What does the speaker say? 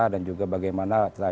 dan juga bagaimana